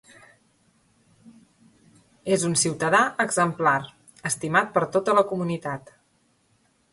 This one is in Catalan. És un ciutadà exemplar, estimat per tota la comunitat.